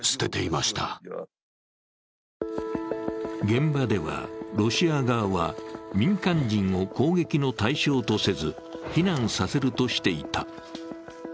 現場では、ロシア側は民間人を攻撃の対象とせず避難させるとしていた。